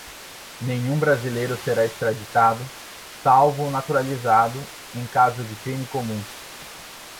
nenhum brasileiro será extraditado, salvo o naturalizado, em caso de crime comum